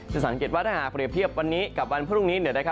สังเกตว่าถ้าหากเรียบเทียบวันนี้กับวันพรุ่งนี้